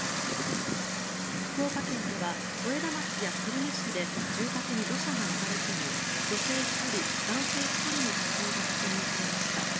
福岡県では添田町や久留米市で住宅に土砂が流れ込み女性１人、男性１人の死亡が確認されました。